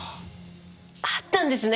あったんですね。